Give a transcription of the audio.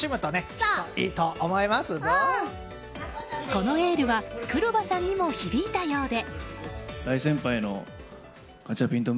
このエールは黒羽さんにも響いたようで。